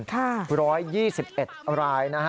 ค่ะค่ะค่ะค่ะ๑๒๑รายนะฮะ